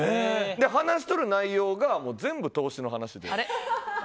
話している内容が全部投資の話で。